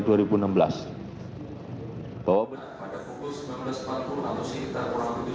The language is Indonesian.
bawa belas pada pukul sembilan belas empat puluh uib